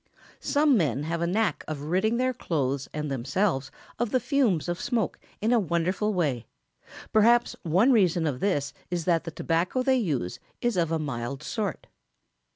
] Some men have a knack of ridding their clothes and themselves of the fumes of smoke in a wonderful way. Perhaps one reason of this is that the tobacco they use is of a mild sort. [Sidenote: Try the clothes brush.